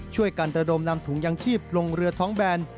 ช่วยกันระดมนำถุงยังชีพลงเรือท้องแบน